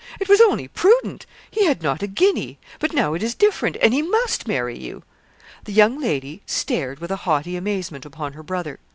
It was only prudent; he had not a guinea. But now it is different, and he must marry you.' The young lady stared with a haughty amazement upon her brother.